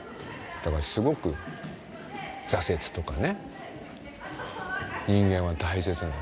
だから、すごく挫折とかね、人間に大切なの。